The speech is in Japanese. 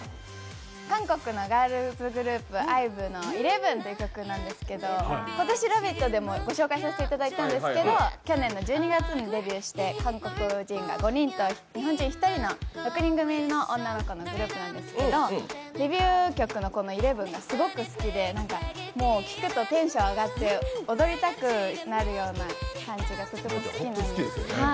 韓国のガールズグループ、ＩＶＥの「ＥＬＥＶＥＮ」という曲なんですけど今年、「ラヴィット！」でも御紹介させていただいたんですけど去年１２月にデビューして韓国人５人と日本人１人の６人組の女の子のグループなんですけどデビュー曲の「ＥＬＥＶＥＮ」がすごく好きで聴くとテンション上がって踊りたくなるような感じがとても好きなんです。